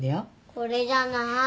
これじゃない。